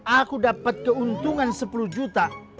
aku dapat keuntungan sepuluh juta